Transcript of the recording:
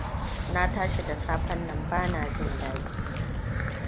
Na tashi da safen nan ban jin daɗi.